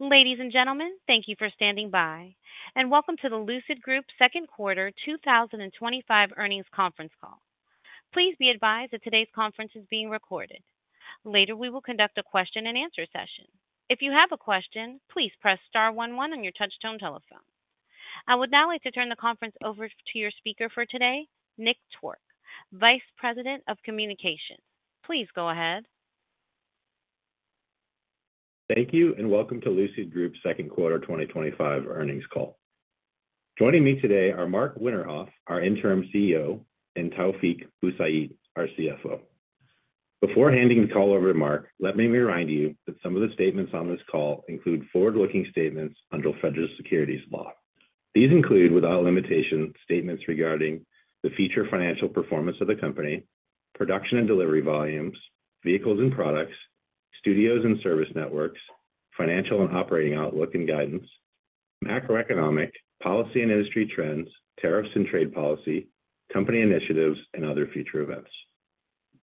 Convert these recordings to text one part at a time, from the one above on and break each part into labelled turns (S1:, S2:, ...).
S1: Ladies and gentlemen, thank you for standing by and welcome to the Lucid Group's second quarter 2025 earnings conference call. Please be advised that today's conference is being recorded. Later, we will conduct a question and answer session. If you have a question, please press *11 on your touchtone telephone. I would now like to turn the conference over to your speaker for today, Nick Twork, Vice President of Communication. Please go ahead.
S2: Thank you and welcome to Lucid Group's second quarter 2025 earnings call. Joining me today are Mark Winterhoff, our Interim CEO, and Taoufiq Boussaid, our CFO. Before handing the call over to Mark, let me remind you that some of the statements on this call include forward-looking statements under Federal Securities Law. These include, without limitation, statements regarding the future financial performance of the company, production and delivery volumes, vehicles and products, studios and service networks, financial and operating outlook and guidance, macroeconomic, policy and industry trends, tariffs and trade policy, company initiatives, and other future events.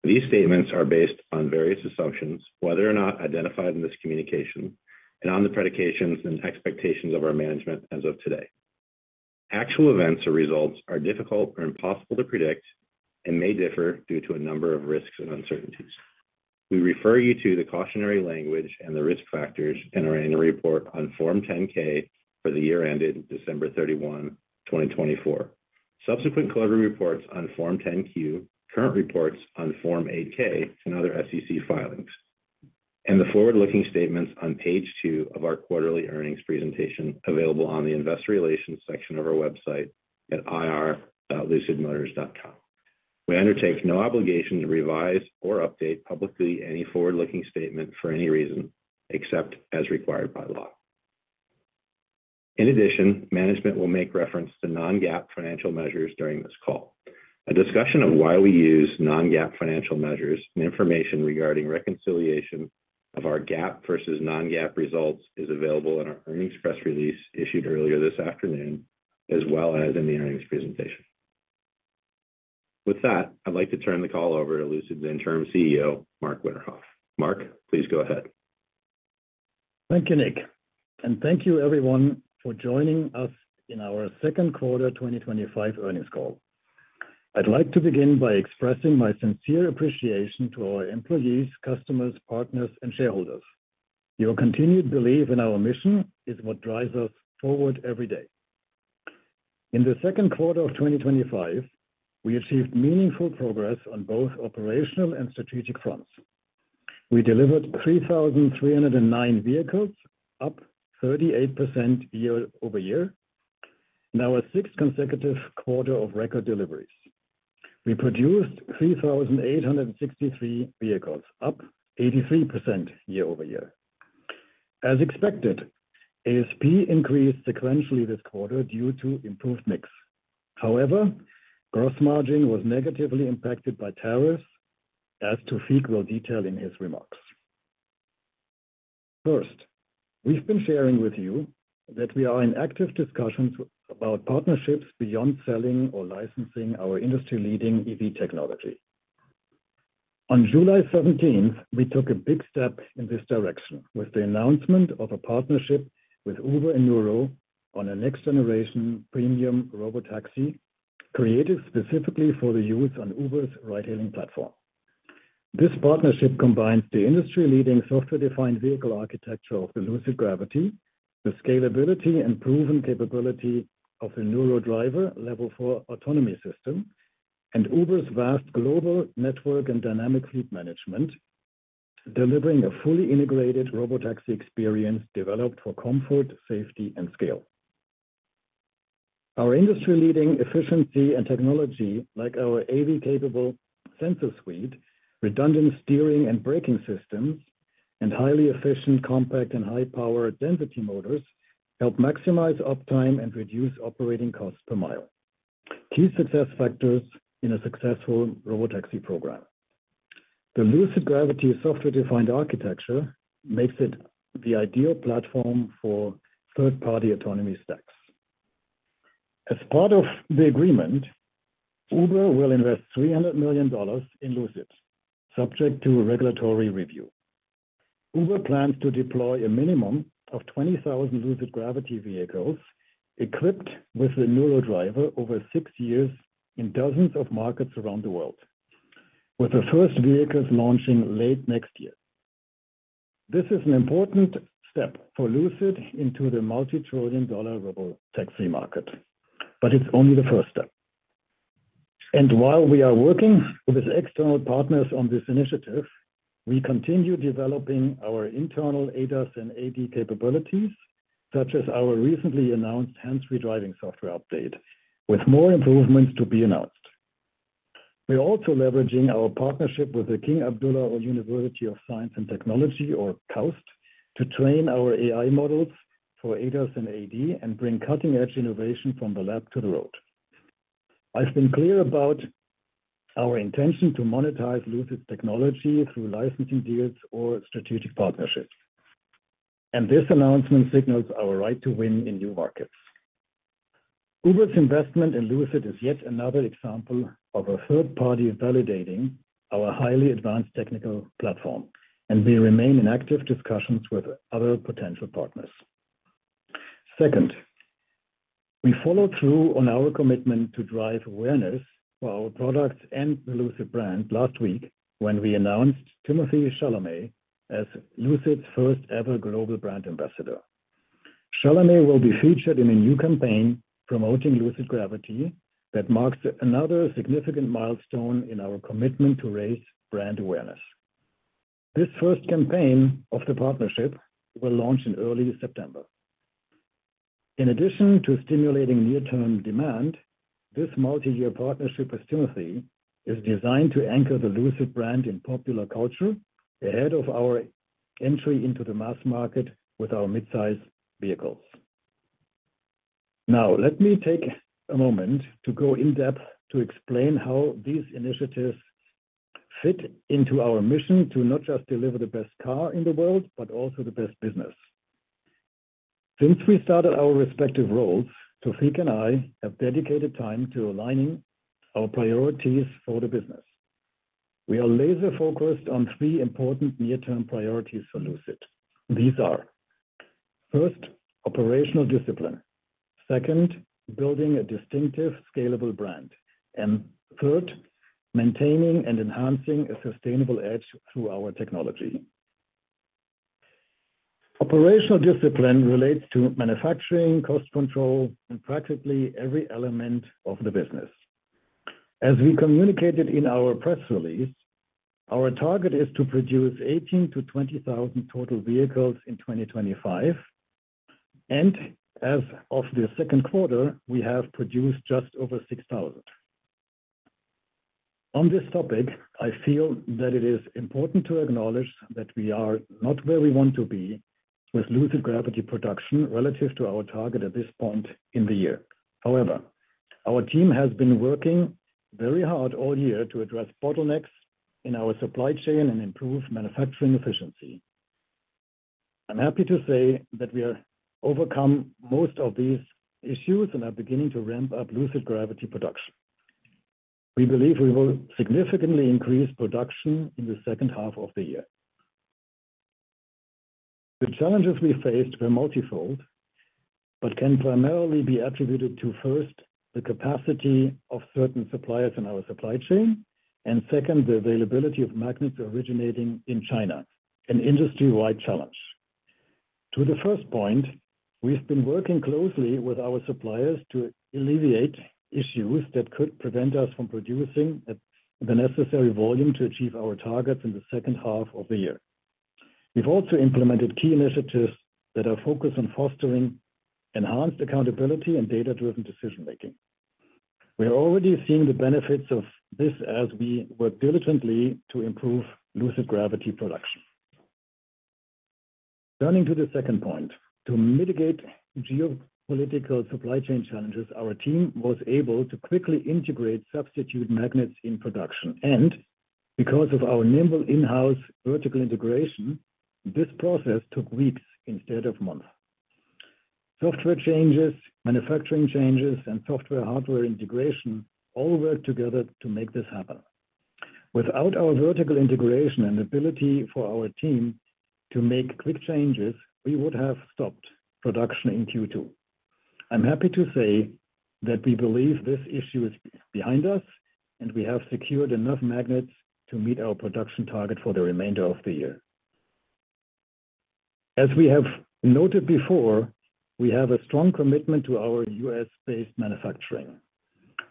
S2: These statements are based on various assumptions, whether or not identified in this communication, and on the predictions and expectations of our management as of today. Actual events or results are difficult or impossible to predict and may differ due to a number of risks and uncertainties. We refer you to the cautionary language and the risk factors in our annual report on Form 10-K for the year ended December 31, 2024, subsequent quarterly reports on Form 10-Q, current reports on Form 8-K, and other SEC filings, and the forward-looking statements on page two of our quarterly earnings presentation available on the Investor Relations section of our website at ir.lucidmotors.com. We undertake no obligation to revise or update publicly any forward-looking statement for any reason except as required by law. In addition, management will make reference to non-GAAP financial measures during this call. A discussion of why we use non-GAAP financial measures and information regarding reconciliation of our GAAP versus non-GAAP results is available in our earnings press release issued earlier this afternoon, as well as in the earnings presentation. With that, I'd like to turn the call over to Lucid's Interim CEO, Marc Winterhoff. Marc, please go ahead.
S3: Thank you, Nick, and thank you everyone for joining us in our second quarter 2025 earnings call. I'd like to begin by expressing my sincere appreciation to our employees, customers, partners, and shareholders. Your continued belief in our mission is what drives us forward every day. In the second quarter of 2025, we achieved meaningful progress on both operational and strategic fronts. We delivered 3,309 vehicles, up 38% year-over-year, and that was six consecutive quarters of record deliveries. We produced 3,863 vehicles, up 83% year-over-year. As expected, ASP increased sequentially this quarter due to improved mix. However, gross margin was negatively impacted by tariffs, as Taoufiq will detail in his remarks. First, we've been sharing with you that we are in active discussions about partnerships beyond selling or licensing our industry-leading EV technology. On July 17, we took a big step in this direction with the announcement of a partnership with Uber and Nuro on a next-generation premium Robotaxi created specifically for use on Uber's ride-hailing platform. This partnership combines the industry-leading software-defined vehicle architecture of the Lucid Gravity, the scalability and proven capability of the Nuro driver level four autonomy system, and Uber's vast global network and dynamic fleet management, delivering a fully integrated Robotaxi experience developed for comfort, safety, and scale. Our industry-leading efficiency and technology, like our AV-capable sensor suite, redundant steering and braking systems, and highly efficient compact and high-power density motors, help maximize uptime and reduce operating costs per mile. Key success factors in a successful Robotaxi program. The Lucid Gravity software-defined architecture makes it the ideal platform for third-party autonomy stacks. As part of the agreement, Uber will invest $300 million in Lucid, subject to regulatory review. Uber plans to deploy a minimum of 20,000 Lucid Gravity vehicles equipped with the Nuro driver over six years in dozens of markets around the world, with the first vehicles launching late next year. This is an important step for Lucid into the multi-trillion dollar Robotaxi market. While we are working with external partners on this initiative, we continue developing our internal ADAS and AD capabilities, such as our recently announced hands-free driving software update, with more improvements to be announced. We're also leveraging our partnership with the King Abdullah University of Science and Technology, or KAUST, to train our AI models for ADAS and AD and bring cutting-edge innovation from the lab to the road. I've been clear about our intention to monetize Lucid's technology through licensing deals or strategic partnerships, and this announcement signals our right to win in new markets. Uber's investment in Lucid is yet another example of a third party validating our highly advanced technical platform, and we remain in active discussions with other potential partners. Second, we follow through on our commitment to drive awareness for our products and the Lucid brand. Last week, when we announced Timothée Chalamet as Lucid's first ever global brand ambassador, Chalamet will be featured in a new campaign promoting Lucid Gravity that marks another significant milestone in our commitment to raise brand awareness. This first campaign of the partnership will launch in early September. In addition to stimulating near-term demand, this multi-year partnership with Timothée is designed to anchor the Lucid brand in popular culture ahead of our entry into the mass market with our mid-size vehicles. Now, let me take a moment to go in depth to explain how these initiatives fit into our mission to not just deliver the best car in the world, but also the best business. Since we started our respective roles, Taoufiq and I have dedicated time to aligning our priorities for the business. We are laser-focused on three important near-term priorities for Lucid. These are: first, operational discipline; second, building a distinctive, scalable brand; and third, maintaining and enhancing a sustainable edge through our technology. Operational discipline relates to manufacturing, cost control, and practically every element of the business. As we communicated in our press release, our target is to produce 18,000 - 20,000 total vehicles in 2025, and as of the second quarter, we have produced just over 6,000. On this topic, I feel that it is important to acknowledge that we are not where we want to be with Lucid Gravity production relative to our target at this point in the year. However, our team has been working very hard all year to address bottlenecks in our supply chain and improve manufacturing efficiency. I'm happy to say that we have overcome most of these issues and are beginning to ramp up Lucid Gravity production. We believe we will significantly increase production in the second half of the year. The challenges we faced were multifold, but can primarily be attributed to, first, the capacity of certain suppliers in our supply chain, and second, the availability of magnets originating in China, an industry-wide challenge. To the first point, we've been working closely with our suppliers to alleviate issues that could prevent us from producing the necessary volume to achieve our targets in the second half of the year. We've also implemented key initiatives that are focused on fostering enhanced accountability and data-driven decision-making. We are already seeing the benefits of this as we work diligently to improve Lucid Gravity production. Turning to the second point, to mitigate geopolitical supply chain challenges, our team was able to quickly integrate substitute magnets in production, and because of our nimble in-house vertical integration, this process took weeks instead of months. Software changes, manufacturing changes, and software-hardware integration all work together to make this happen. Without our vertical integration and ability for our team to make quick changes, we would have stopped production in Q2. I'm happy to say that we believe this issue is behind us, and we have secured enough magnets to meet our production target for the remainder of the year. As we have noted before, we have a strong commitment to our U.S.-based manufacturing.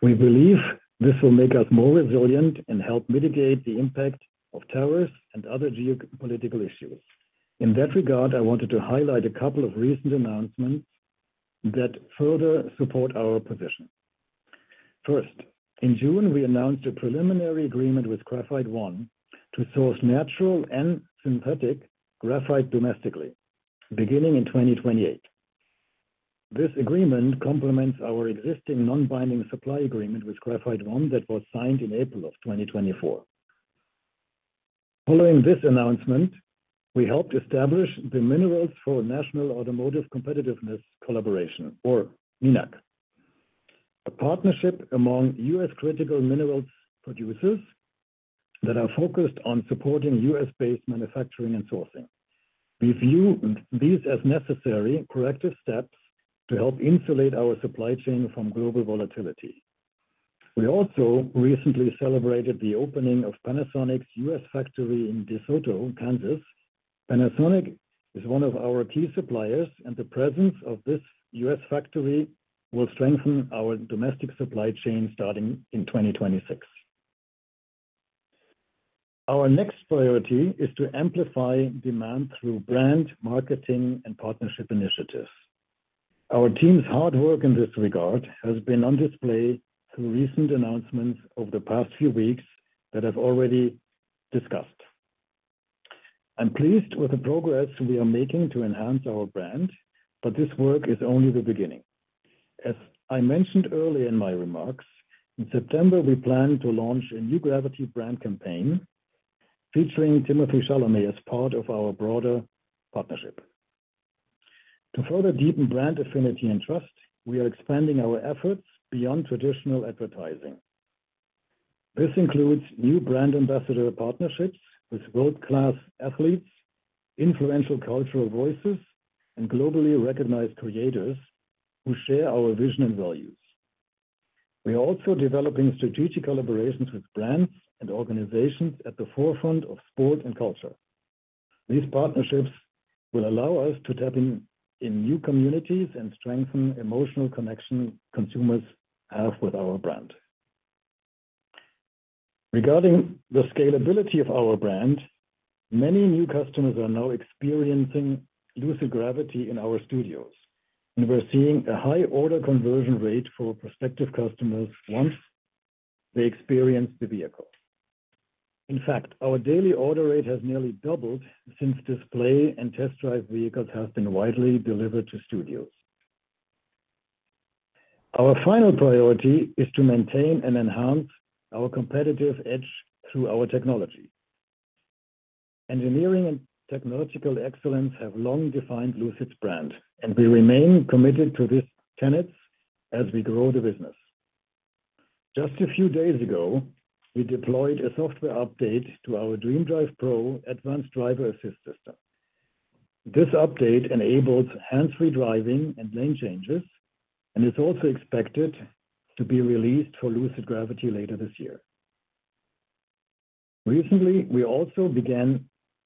S3: We believe this will make us more resilient and help mitigate the impact of tariffs and other geopolitical issues. In that regard, I wanted to highlight a couple of recent announcements that further support our position. First, in June, we announced a preliminary agreement with Graphite One to source natural and synthetic graphite domestically, beginning in 2028. This agreement complements our existing non-binding supply agreement with Graphite One that was signed in April of 2024. Following this announcement, we helped establish the Minerals for National Automotive Competitiveness Collaboration, or MINAC, a partnership among U.S.-critical minerals producers that are focused on supporting U.S.-based manufacturing and sourcing. We view these as necessary corrective steps to help insulate our supply chain from global volatility. We also recently celebrated the opening of Panasonic's U.S. factory in DeSoto, Kansas. Panasonic is one of our key suppliers, and the presence of this U.S. factory will strengthen our domestic supply chain starting in 2026. Our next priority is to amplify demand through brand marketing and partnership initiatives. Our team's hard work in this regard has been on display through recent announcements over the past few weeks that I've already discussed. I'm pleased with the progress we are making to enhance our brand, but this work is only the beginning. As I mentioned earlier in my remarks, in September, we plan to launch a new Gravity brand campaign featuring Timothée Chalamet as part of our broader partnership. To further deepen brand affinity and trust, we are expanding our efforts beyond traditional advertising. This includes new brand ambassador partnerships with world-class athletes, influential cultural voices, and globally recognized creators who share our vision and values. We are also developing strategic collaborations with brands and organizations at the forefront of sport and culture. These partnerships will allow us to tap into new communities and strengthen emotional connections consumers have with our brand. Regarding the scalability of our brand, many new customers are now experiencing Lucid Gravity in our studios, and we're seeing a high order conversion rate for prospective customers once they experience the vehicle. In fact, our daily order rate has nearly doubled since display and test drive vehicles have been widely delivered to studios. Our final priority is to maintain and enhance our competitive edge through our technology. Engineering and technological excellence have long defined Lucid's brand, and we remain committed to these tenets as we grow the business. Just a few days ago, we deployed a software update to our DreamDrive Pro ADAS. This update enables hands-free driving and lane changes, and it's also expected to be released for Lucid Gravity later this year. Recently, we also began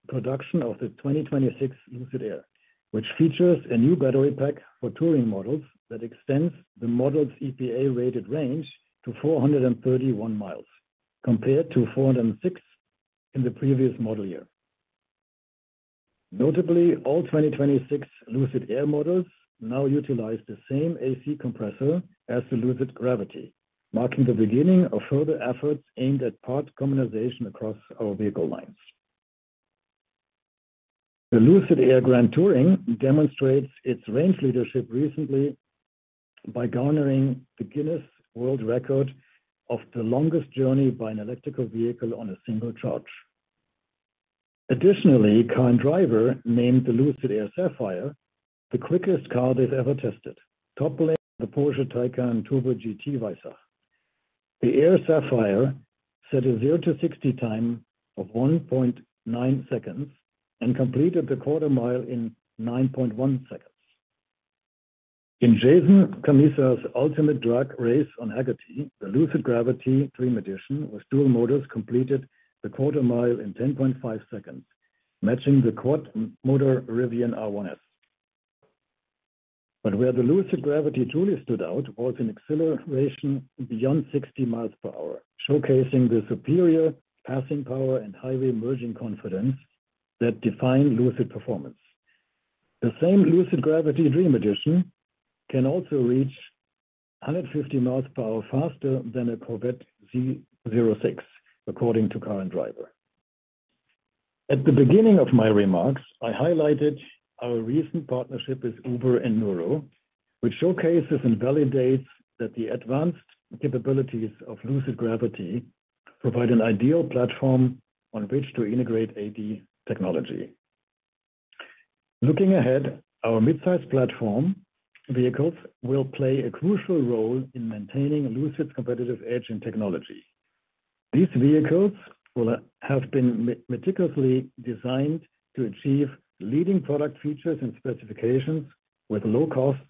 S3: production of the 2026 Lucid Air, which features a new battery pack for touring models that extends the model's EPA-rated range to 431 miles, compared to 406 in the previous model year. Notably, all 2026 Lucid Air models now utilize the same AC compressor as the Lucid Gravity, marking the beginning of further efforts aimed at parts communication across our vehicle lines. The Lucid Air Grand Touring demonstrates its range leadership recently by garnering the Guinness World Record of the longest journey by an electric vehicle on a single charge. Additionally, Car and Driver named the Lucid Air Sapphire the quickest car they've ever tested, toppling the Porsche Taycan Turbo GT Racer. The Air Sapphire set a 0 to 60 time of 1.9 seconds and completed the quarter mile in 9.1 seconds. In Jason Cammisa's ultimate drag race on Hagerty, the Lucid Gravity Dream Edition with dual motors completed the quarter mile in 10.5 seconds, matching the quad motor Rivian R1S. Where the Lucid Gravity truly stood out was in acceleration beyond 60 miles per hour, showcasing the superior passing power and highway merging confidence that define Lucid performance. The same Lucid Gravity Dream Edition can also reach 150 miles per hour faster than a Corvette Z06, according to Car and Driver. At the beginning of my remarks, I highlighted our recent partnership with Uber and Nuro, which showcases and validates that the advanced capabilities of Lucid Gravity provide an ideal platform on which to integrate AD technology. Looking ahead, our mid-size platform vehicles will play a crucial role in maintaining Lucid's competitive edge in technology. These vehicles will have been meticulously designed to achieve leading product features and specifications with low cost,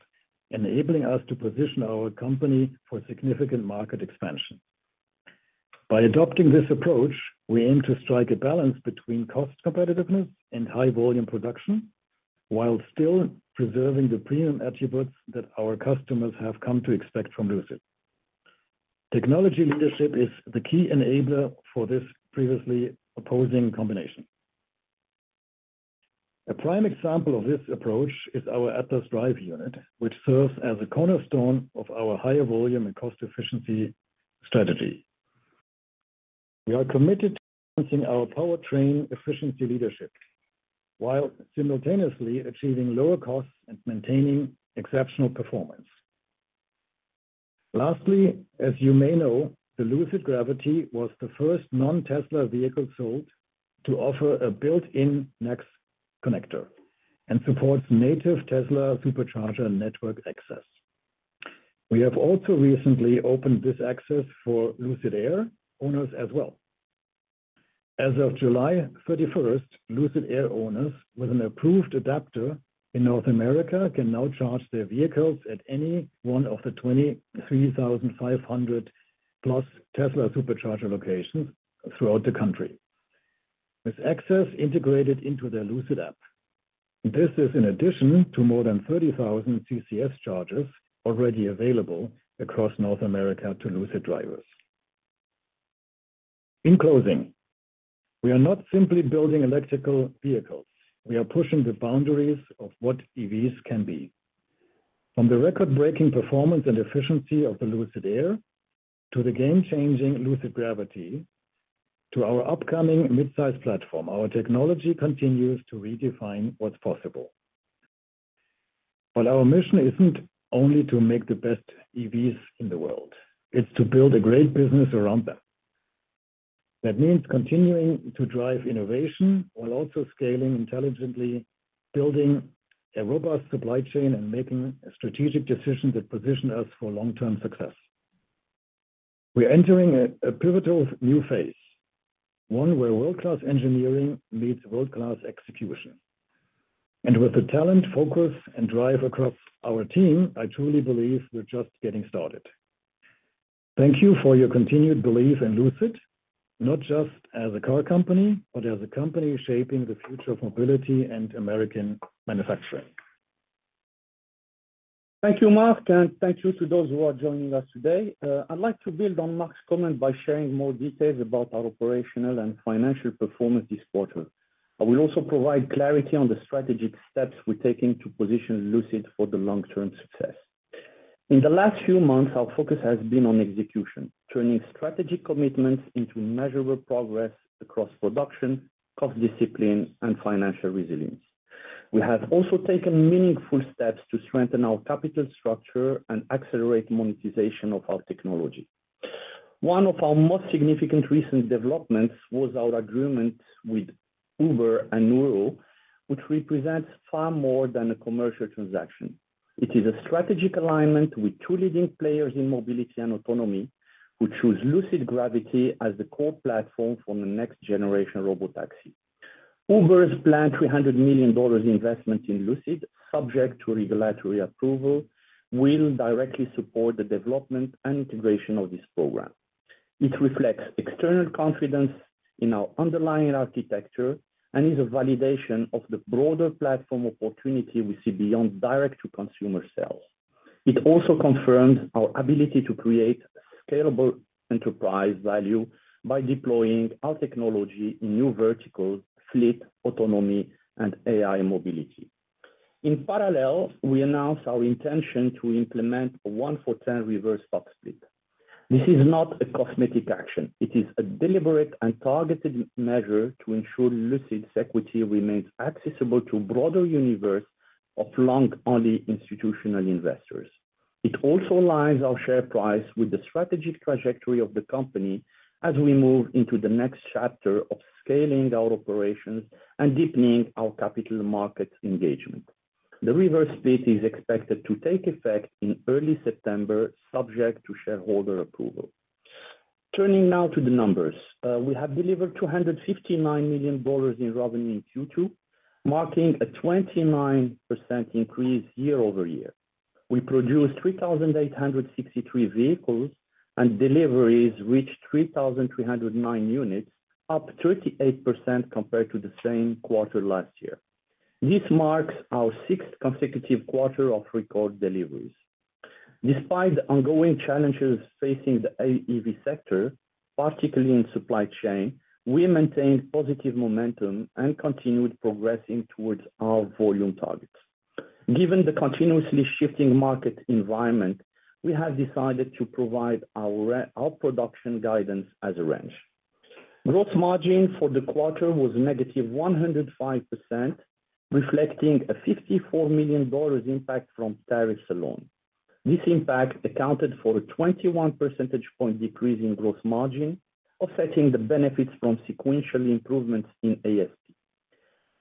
S3: enabling us to position our company for significant market expansion. By adopting this approach, we aim to strike a balance between cost competitiveness and high volume production while still preserving the premium attributes that our customers have come to expect from Lucid. Technology leadership is the key enabler for this previously opposing combination. A prime example of this approach is our Atlas powertrain, which serves as a cornerstone of our higher volume and cost efficiency strategy. We are committed to enhancing our powertrain efficiency leadership while simultaneously achieving lower costs and maintaining exceptional performance. Lastly, as you may know, the Lucid Gravity was the first non-Tesla vehicle sold to offer a built-in NACS connector and supports native Tesla Supercharger network access. We have also recently opened this access for Lucid Air owners as well. As of July 31st, Lucid Air owners with an approved adapter in North America can now charge their vehicles at any one of the 23,500+ Tesla Supercharger locations throughout the country, with access integrated into their Lucid app. This is in addition to more than 30,000 CCS chargers already available across North America to Lucid drivers. In closing, we are not simply building electric vehicles, we are pushing the boundaries of what EVs can be. From the record-breaking performance and efficiency of the Lucid Air to the game-changing Lucid Gravity to our upcoming mid-size platform, our technology continues to redefine what's possible. Our mission isn't only to make the best EVs in the world, it's to build a great business around them. That means continuing to drive innovation while also scaling intelligently, building a robust supply chain, and making strategic decisions that position us for long-term success. We're entering a pivotal new phase, one where world-class engineering meets world-class execution. With the talent, focus, and drive across our team, I truly believe we're just getting started. Thank you for your continued belief in Lucid, not just as a car company, but as a company shaping the future of mobility and American manufacturing.
S4: Thank you, Marc, and thank you to those who are joining us today. I'd like to build on Marc's comment by sharing more details about our operational and financial performance this quarter. I will also provide clarity on the strategic steps we're taking to position Lucid for long-term success. In the last few months, our focus has been on execution, turning strategic commitments into measurable progress across production, cost discipline, and financial resilience. We have also taken meaningful steps to strengthen our capital structure and accelerate monetization of our technology. One of our most significant recent developments was our agreement with Uber and Nuro, which represents far more than a commercial transaction. It is a strategic alignment with two leading players in mobility and autonomy, which use Lucid Gravity as the core platform for the next-generation Robotaxi. Uber's planned $300 million investment in Lucid, subject to regulatory approval, will directly support the development and integration of this program. It reflects external confidence in our underlying architecture and is a validation of the broader platform opportunity we see beyond direct-to-consumer sales. It also confirmed our ability to create scalable enterprise value by deploying our technology in new verticals: fleet, autonomy, and AI mobility. In parallel, we announced our intention to implement a one-for-10 reverse stock split. This is not a cosmetic action; it is a deliberate and targeted measure to ensure Lucid Group's equity remains accessible to a broader universe of long-only institutional investors. It also aligns our share price with the strategic trajectory of the company as we move into the next chapter of scaling our operations and deepening our capital market engagement. The reverse split is expected to take effect in early September, subject to shareholder approval. Turning now to the numbers, we have delivered $259 million in revenue in Q2, marking a 29% increase year-over-year. We produced 3,863 vehicles, and deliveries reached 3,309 units, up 38% compared to the same quarter last year. This marks our sixth consecutive quarter of record deliveries. Despite the ongoing challenges facing the AEV sector, particularly in the supply chain, we maintained positive momentum and continued progressing towards our volume targets. Given the continuously shifting market environment, we have decided to provide our production guidance as a range. Gross margin for the quarter was -105%, reflecting a $54 million impact from tariffs alone. This impact accounted for a 21% decrease in gross margin, offsetting the benefits from sequential improvements in ASP.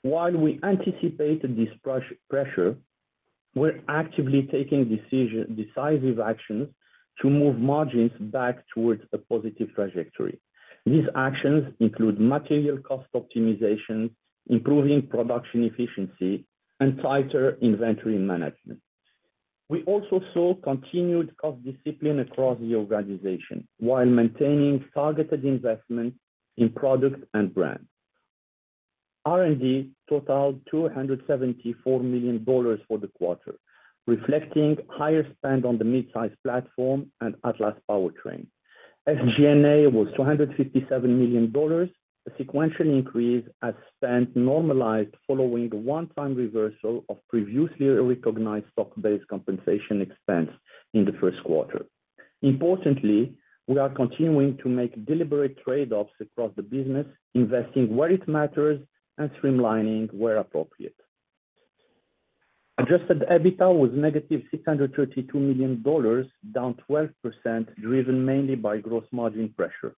S4: While we anticipated this pressure, we're actively taking decisive actions to move margins back towards a positive trajectory. These actions include material cost optimization, improving production efficiency, and tighter inventory management. We also saw continued cost discipline across the organization while maintaining targeted investment in products and brands. R&D totaled $274 million for the quarter, reflecting higher spend on the mid-size platform and Atlas powertrain. FG&A was $257 million, a sequential increase as spend normalized following one-time reversal of previously recognized stock-based compensation expense in the first quarter. Importantly, we are continuing to make deliberate trade-offs across the business, investing where it matters and streamlining where appropriate. Adjusted EBITDA was -$632 million, down 12%, driven mainly by gross margin pressure.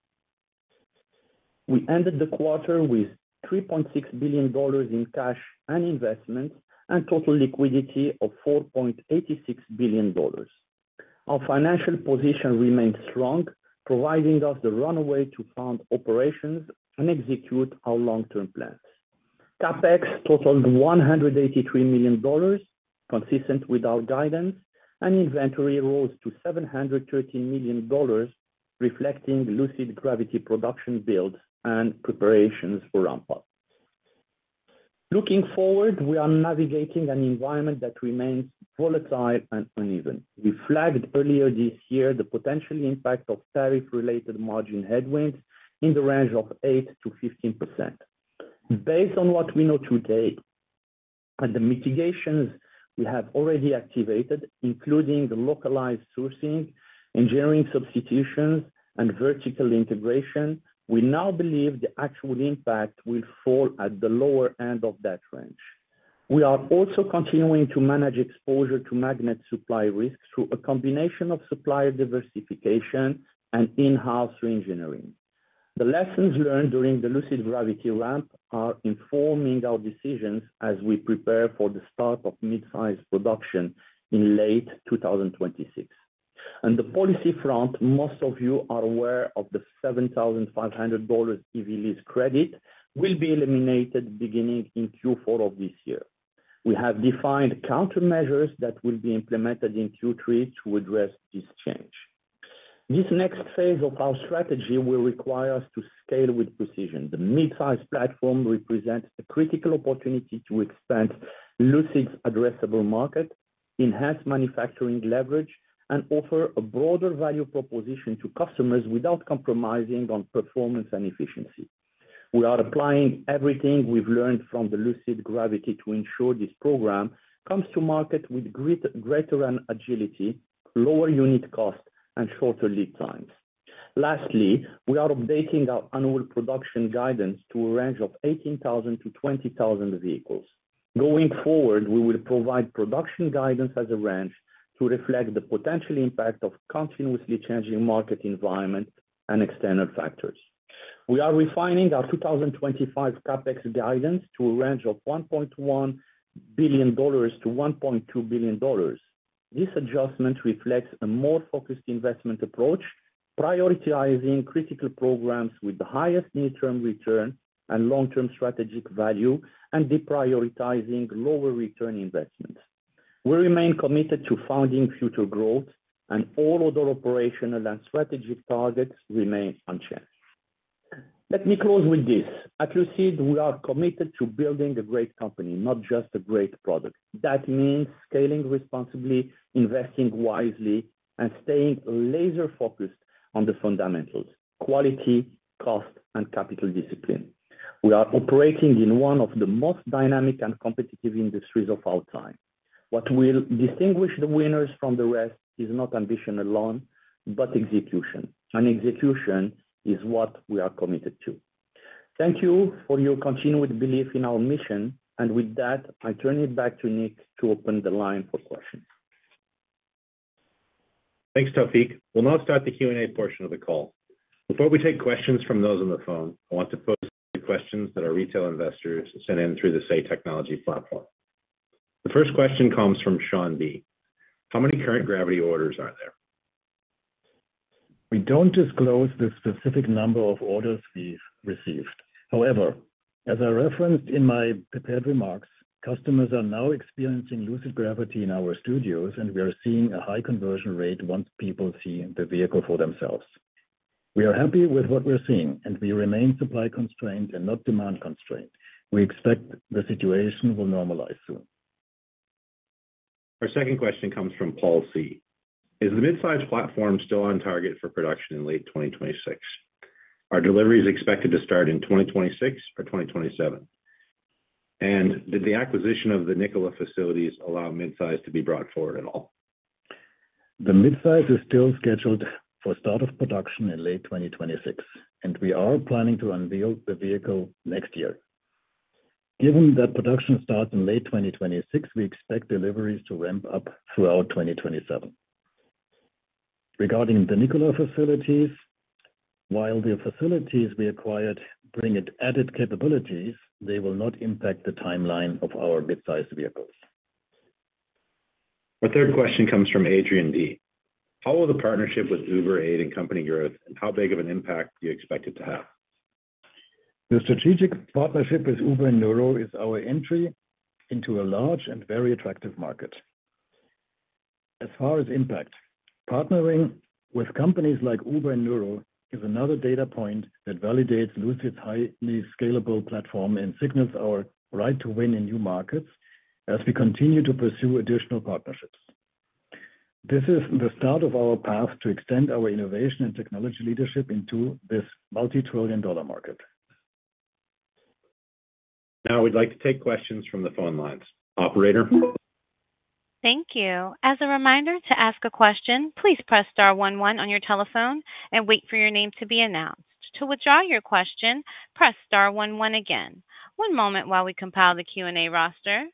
S4: We ended the quarter with $3.6 billion in cash and investment and total liquidity of $4.86 billion. Our financial position remains strong, providing us the runway to fund operations and execute our long-term plans. CapEx totaled $183 million, consistent with our guidance, and inventory rose to $713 million, reflecting Lucid Gravity production build and preparations for ramp-up. Looking forward, we are navigating an environment that remains volatile and uneven. We flagged earlier this year the potential impact of tariff-related margin headwinds in the range of 8% - 15%. Based on what we know today and the mitigations we have already activated, including the localized sourcing, engineering substitutions, and vertical integration, we now believe the actual impact will fall at the lower end of that range. We are also continuing to manage exposure to magnet supply risks through a combination of supplier diversification and in-house re-engineering. The lessons learned during the Lucid Gravity ramp are informing our decisions as we prepare for the start of mid-size production in late 2026. On the policy front, most of you are aware the $7,500 EV lease credit will be eliminated beginning in Q4 of this year. We have defined countermeasures that will be implemented in Q3 to address this change. This next phase of our strategy will require us to scale with precision. The mid-size platform represents a critical opportunity to expand Lucid's addressable market, enhance manufacturing leverage, and offer a broader value proposition to customers without compromising on performance and efficiency. We are applying everything we've learned from the Lucid Gravity to ensure this program comes to market with greater agility, lower unit cost, and shorter lead times. Lastly, we are updating our annual production guidance to a range of 18,000 - 20,000 vehicles. Going forward, we will provide production guidance as a range to reflect the potential impact of a continuously changing market environment and external factors. We are refining our 2025 CapEx guidance to a range of $1.1 billion - $1.2 billion. This adjustment reflects a more focused investment approach, prioritizing critical programs with the highest near-term return and long-term strategic value, and deprioritizing lower return investments. We remain committed to funding future growth, and all other operational and strategic targets remain unchanged. Let me close with this: at Lucid, we are committed to building a great company, not just a great product. That means scaling responsibly, investing wisely, and staying laser-focused on the fundamentals: quality, cost, and capital discipline. We are operating in one of the most dynamic and competitive industries of our time. What will distinguish the winners from the rest is not ambition alone, but execution, and execution is what we are committed to. Thank you for your continued belief in our mission, and with that, I turn it back to Nick to open the line for questions.
S2: Thanks, Taoufiq. We'll now start the Q&A portion of the call. Before we take questions from those on the phone, I want to pose a few questions that our retail investors sent in through the SAY Technology platform. The first question comes from Sean B. How many current Gravity orders are there?
S3: We don't disclose the specific number of orders we've received. However, as I referenced in my prepared remarks, customers are now experiencing Lucid Gravity in our studios, and we are seeing a high conversion rate once people see the vehicle for themselves. We are happy with what we're seeing, and we remain supply constrained and not demand constrained. We expect the situation will normalize soon.
S2: Our second question comes from Paul C. Is the mid-size platform still on target for production in late 2026? Are deliveries expected to start in 2026 or 2027? Did the acquisition of the Nikola facilities allow mid-size to be brought forward at all?
S3: The mid-size is still scheduled for start of production in late 2026, and we are planning to unveil the vehicle next year. Given that production starts in late 2026, we expect deliveries to ramp up throughout 2027. Regarding the Nikola facilities, while the facilities we acquired bring added capabilities, they will not impact the timeline of our mid-size vehicles.
S2: Our third question comes from Adrian D. How will the partnership with Uber aid in company growth, and how big of an impact do you expect it to have?
S3: The strategic partnership with Uber and Nuro is our entry into a large and very attractive market. As far as impact, partnering with companies like Uber and Nuro is another data point that validates Lucid Group's highly scalable platform and signals our right to win in new markets as we continue to pursue additional partnerships. This is the start of our path to extend our innovation and technology leadership into this multi-trillion dollar market.
S2: Now we'd like to take questions from the phone lines. Operator.
S1: Thank you. As a reminder, to ask a question, please press star one one on your telephone and wait for your name to be announced. To withdraw your question, press star one one again. One moment while we compile the Q&A roster.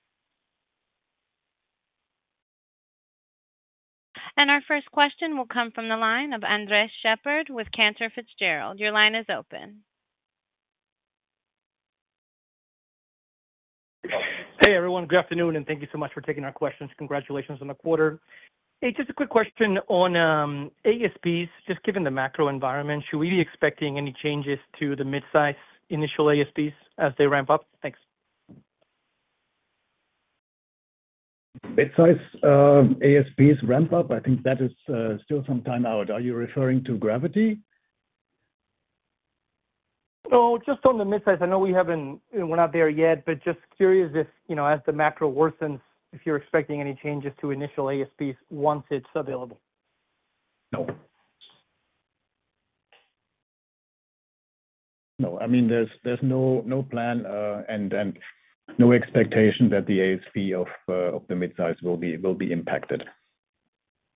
S1: Our first question will come from the line of Andres Sheppard with Cantor Fitzgerald. Your line is open.
S5: Hey everyone, good afternoon, and thank you so much for taking our questions. Congratulations on the quarter. Just a quick question on ASPs. Just given the macro environment, should we be expecting any changes to the mid-size initial ASPs as they ramp up? Thanks.
S3: Mid-size ASPs ramp up? I think that is still some time out. Are you referring to Gravity?
S5: No, just on the mid-size. I know we haven't, we're not there yet, but just curious if, you know, as the macro worsens, if you're expecting any changes to initial ASPs once it's available.
S3: No, I mean, there's no plan and no expectation that the ASP of the mid-size will be impacted.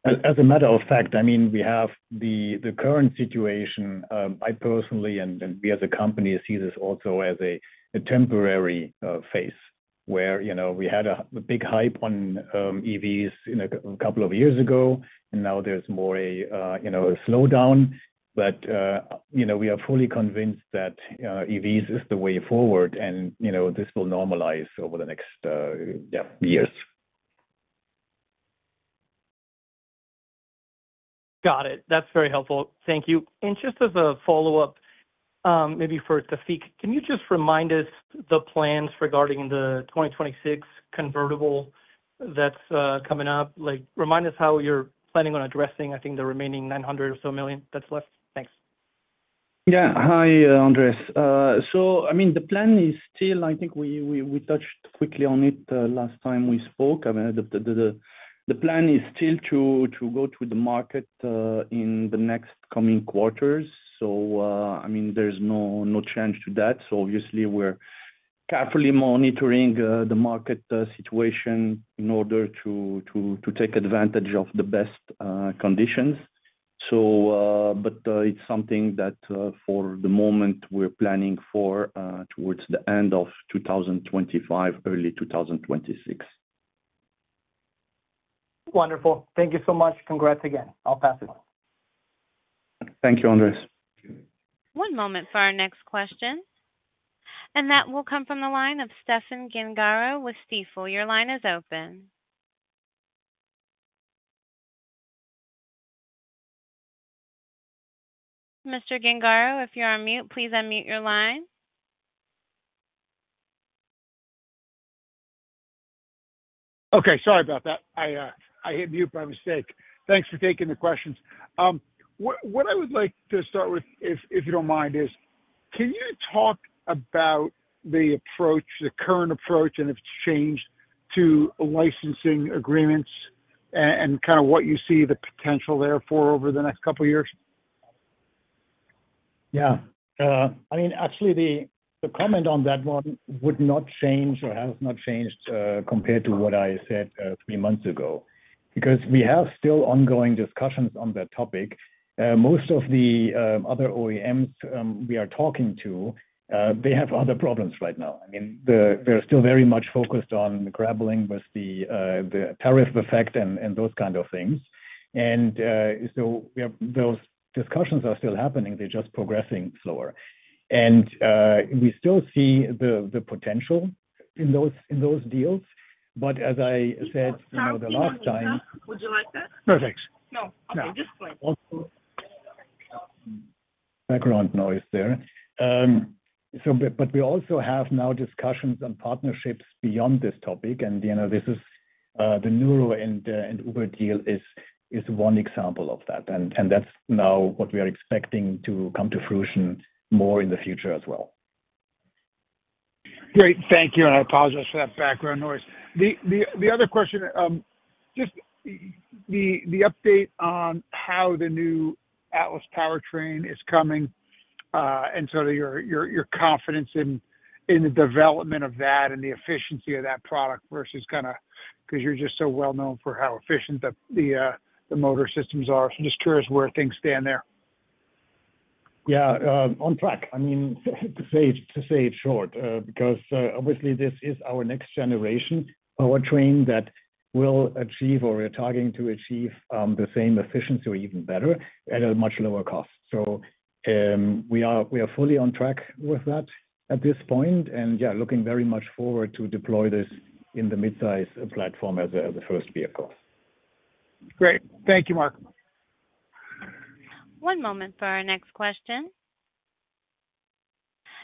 S3: As a matter of fact, we have the current situation. I personally, and we as a company, see this also as a temporary phase where we had a big hype on EVs a couple of years ago, and now there's more a slowdown. We are fully convinced that EVs are the way forward, and this will normalize over the next years.
S5: Got it. That's very helpful. Thank you. Just as a follow-up, maybe for Taoufiq, can you just remind us the plans regarding the 2026 convertible that's coming up? Remind us how you're planning on addressing, I think, the remaining $900 million or so that's left. Thanks.
S4: Yeah, hi, Andres. The plan is still, I think we touched quickly on it last time we spoke. The plan is still to go to the market in the next coming quarters. There's no change to that. Obviously, we're carefully monitoring the market situation in order to take advantage of the best conditions. It's something that for the moment we're planning for towards the end of 2025, early 2026.
S5: Wonderful. Thank you so much. Congrats again. I'll pass it.
S4: Thank you, Andres.
S1: One moment for our next question. That will come from the line of Stephen Gengaro with Stifel. Your line is open. Mr. Gengaro, if you're on mute, please unmute your line.
S6: Okay, sorry about that. I hit mute by mistake. Thanks for taking the questions. What I would like to start with, if you don't mind, is can you talk about the approach, the current approach, and if it's changed to licensing agreements and what you see the potential there for over the next couple of years?
S3: Yeah, actually, the comment on that one would not change or has not changed compared to what I said three months ago because we have still ongoing discussions on that topic. Most of the other OEMs we are talking to have other problems right now. They're still very much focused on grappling with the tariff effect and those kinds of things. Those discussions are still happening, they're just progressing slower. We still see the potential in those deals, as I said the last time.
S7: Would you like that?
S3: Perfect.
S7: No, I'm just playing.
S3: We also have now discussions on partnerships beyond this topic. You know, the Nuro and Uber deal is one example of that. That's now what we are expecting to come to fruition more in the future as well.
S6: Great. Thank you. I apologize for that background noise. The other question, just the update on how the new Atlas powertrain is coming and your confidence in the development of that and the efficiency of that product versus kind of because you're just so well known for how efficient the motor systems are. I'm just curious where things stand there.
S3: Yeah, on track. I mean, to say it short, because obviously this is our next generation powertrain that will achieve, or we're targeting to achieve, the same efficiency or even better at a much lower cost. We are fully on track with that at this point, and looking very much forward to deploy this in the mid-size platform as a first vehicle.
S6: Great. Thank you, Marc.
S1: One moment for our next question.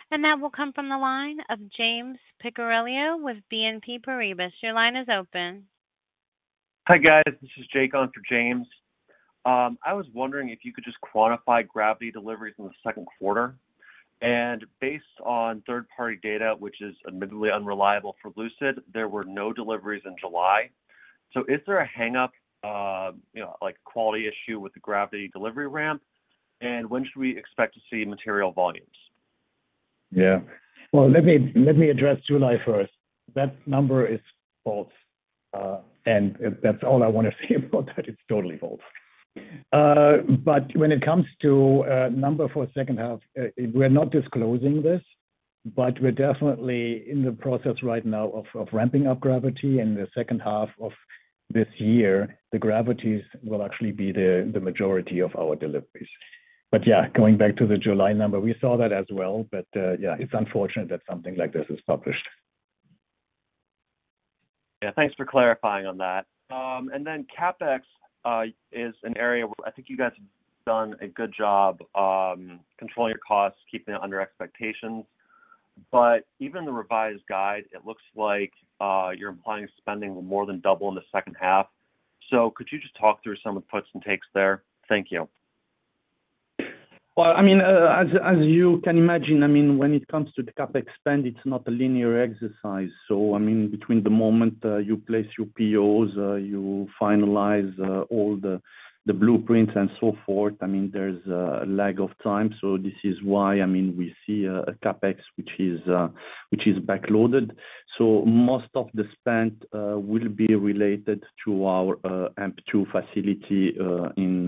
S1: That will come from the line of James Picariello with BNP Paribas. Your line is open.
S8: Hi guys, this is Jacob for James. I was wondering if you could just quantify Gravity deliveries in the second quarter. Based on third-party data, which is admittedly unreliable for Lucid, there were no deliveries in July. Is there a hang-up, you know, like quality issue with the Gravity delivery ramp? When should we expect to see material volumes?
S3: Let me address two and I first. That number is false. That's all I want to say about that. It's totally false. When it comes to a number for the second half, we're not disclosing this, but we're definitely in the process right now of ramping up Gravity. In the second half of this year, the Gravity will actually be the majority of our deliveries. Going back to the July number, we saw that as well. It's unfortunate that something like this is published.
S8: Yeah, thanks for clarifying on that. CapEx is an area where I think you guys have done a good job controlling your costs, keeping it under expectations. Even the revised guide, it looks like you're implying spending will more than double in the second half. Could you just talk through some of the puts and takes there? Thank you.
S4: As you can imagine, when it comes to the CapEx spend, it's not a linear exercise. Between the moment you place your POs, you finalize all the blueprints and so forth, there's a lag of time. This is why we see a CapEx, which is backloaded. Most of the spend will be related to our AMP-2 facility in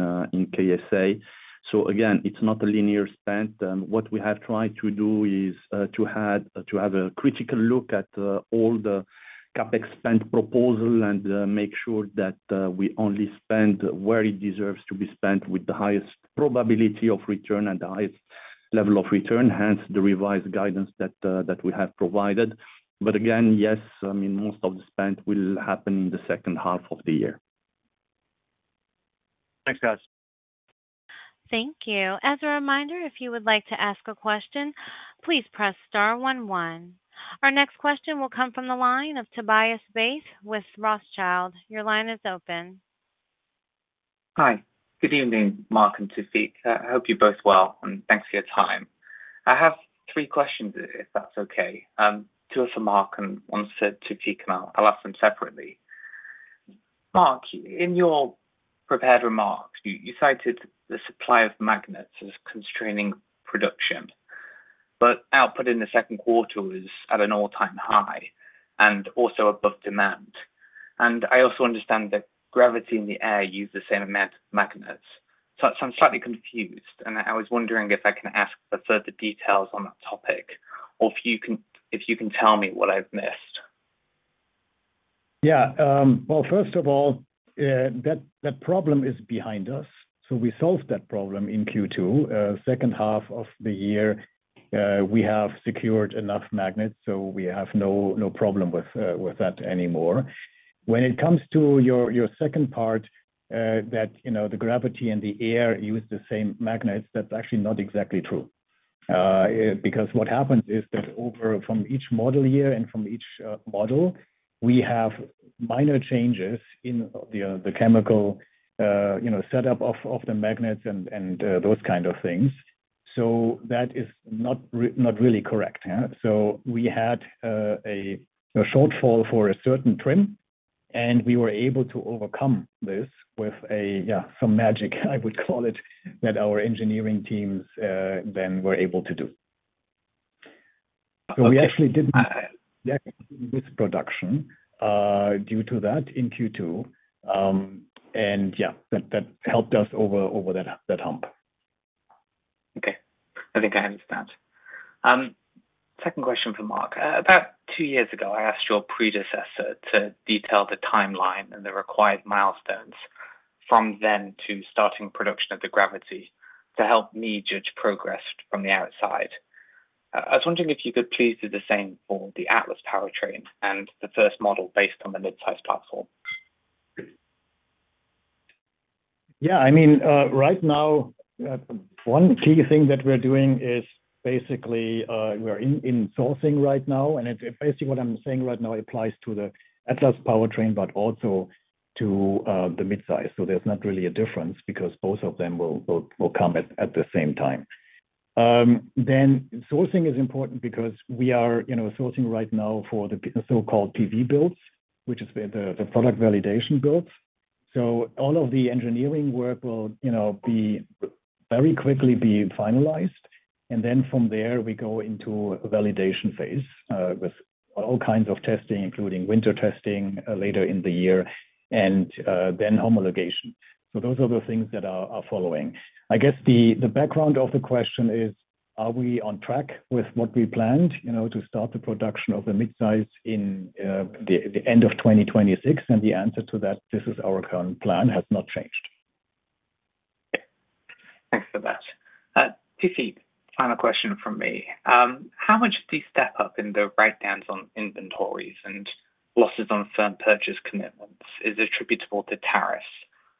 S4: KSA. Again, it's not a linear spend. What we have tried to do is to have a critical look at all the CapEx spend proposals and make sure that we only spend where it deserves to be spent with the highest probability of return and the highest level of return, hence the revised guidance that we have provided. Most of the spend will happen in the second half of the year.
S8: Thanks, guys.
S1: Thank you. As a reminder, if you would like to ask a question, please press star one one. Our next question will come from the line of Tobias Base with Rothschild. Your line is open.
S9: Hi, good evening, Marc and Taoufiq. I hope you're both well and thanks for your time. I have three questions, if that's okay. Two are for Marc and one's for Taoufiq, and I'll ask them separately. Marc, in your prepared remarks, you cited the supply of magnets as constraining production, but output in the second quarter is at an all-time high and also above demand. I also understand that Gravity and the Air use the same magnets. I'm slightly confused, and I was wondering if I can ask for further details on that topic or if you can tell me what I've missed.
S3: First of all, that problem is behind us. We solved that problem in Q2. Second half of the year, we have secured enough magnets, so we have no problem with that anymore. When it comes to your second part, that the Gravity and the Air use the same magnets, that's actually not exactly true. What happens is that from each model year and from each model, we have minor changes in the chemical setup of the magnets and those kinds of things. That is not really correct. We had a shortfall for a certain trim, and we were able to overcome this with some magic, I would call it, that our engineering teams were able to do. We actually didn't have this production issue due to that in Q2. That helped us over that hump.
S9: Okay, I think I understand. Second question for Marc. About two years ago, I asked your predecessor to detail the timeline and the required milestones from then to starting production of the Gravity to help me judge progress from the outside. I was wondering if you could please do the same for the Atlas powertrain and the first model based on the mid-size platform.
S3: Yeah, I mean, right now, one key thing that we're doing is basically we're insourcing right now, and it's basically what I'm saying right now applies to the Atlas powertrain, but also to the mid-size. There's not really a difference because both of them will come at the same time. Insourcing is important because we are sourcing right now for the so-called PV builds, which is the product validation builds. All of the engineering work will be very quickly finalized, and from there, we go into a validation phase with all kinds of testing, including winter testing later in the year, and then homologation. Those are the things that are following. I guess the background of the question is, are we on track with what we planned to start the production of the mid-size in the end of 2026? The answer to that, this is our current plan, has not changed.
S9: Thanks for that. Taoufiq, final question from me. How much of these step-ups in the write-downs on inventories and losses on firm purchase commitments is attributable to tariffs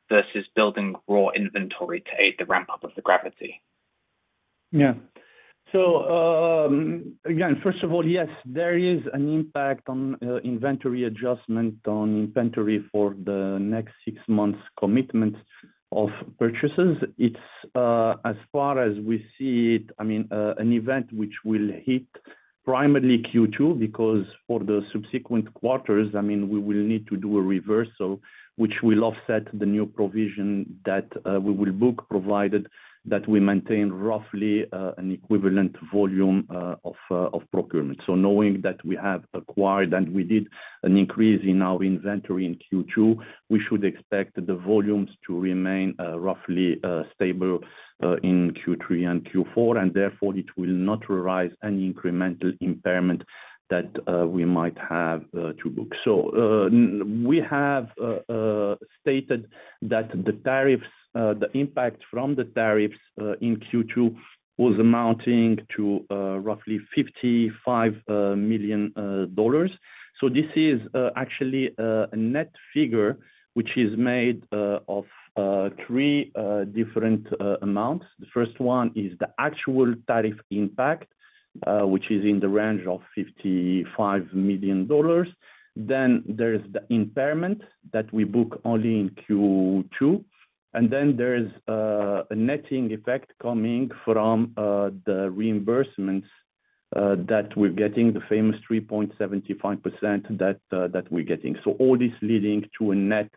S9: versus building raw inventory to aid the ramp-up of the Gravity?
S4: Yeah. First of all, yes, there is an impact on inventory adjustment on inventory for the next six months commitment of purchases. As far as we see it, I mean, an event which will hit primarily Q2 because for the subsequent quarters, we will need to do a reversal, which will offset the new provision that we will book, provided that we maintain roughly an equivalent volume of procurement. Knowing that we have acquired and we did an increase in our inventory in Q2, we should expect the volumes to remain roughly stable in Q3 and Q4, and therefore it will not arise any incremental impairment that we might have to book. We have stated that the impact from the tariffs in Q2 was amounting to roughly $55 million. This is actually a net figure which is made of three different amounts. The first one is the actual tariff impact, which is in the range of $55 million. Then there's the impairment that we book only in Q2. There's a netting effect coming from the reimbursements that we're getting, the famous 3.75% that we're getting. All this is leading to a net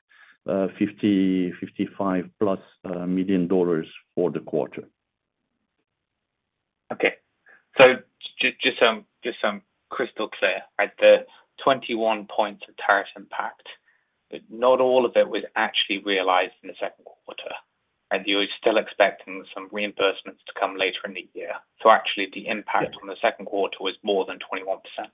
S4: $55+ million for the quarter.
S9: Okay. Just so I'm crystal clear, right, the 21 points of tariff impact, but not all of it was actually realized in the second quarter. You're still expecting some reimbursements to come later in the year. Actually, the impact on the second quarter was more than 21%.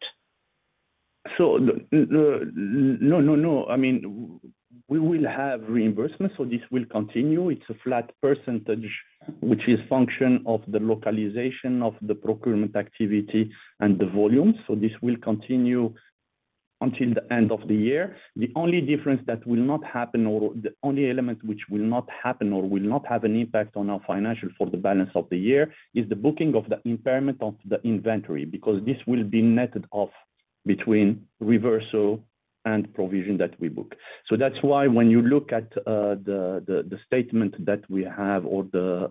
S4: We will have reimbursements, so this will continue. It's a flat percentage, which is a function of the localization of the procurement activity and the volume. This will continue until the end of the year. The only difference that will not happen, or the only element which will not happen or will not have an impact on our financial for the balance of the year, is the booking of the impairment of the inventory because this will be netted off between reversal and provision that we book. That's why when you look at the statement that we have or the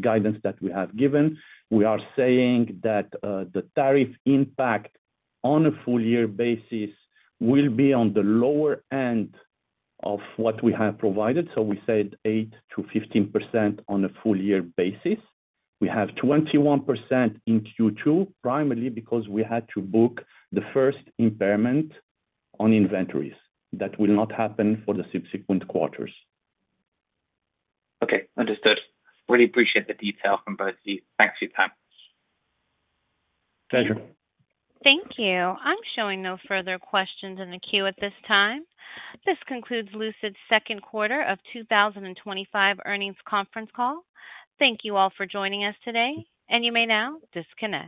S4: guidance that we have given, we are saying that the tariff impact on a full-year basis will be on the lower end of what we have provided. We said 8% - 15% on a full-year basis. We have 21% in Q2, primarily because we had to book the first impairment on inventories. That will not happen for the subsequent quarters.
S9: Okay, understood. Really appreciate the detail from both of you. Thanks for your time.
S4: Pleasure.
S1: Thank you. I'm showing no further questions in the queue at this time. This concludes Lucid Group's second quarter of 2025 earnings conference call. Thank you all for joining us today, and you may now disconnect.